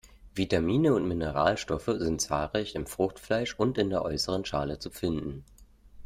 Vitamine und Mineralstoffe sind zahlreich im Fruchtfleisch und in der äußeren Schale zu finden.